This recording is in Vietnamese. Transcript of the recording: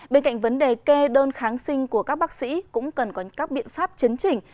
bên cạnh vấn đề kê đơn kháng sinh của các bác sĩ cũng cần có các biện pháp chấn chỉnh